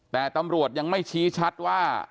แต่ตำรวจยังไม่ชี้ชัดว่า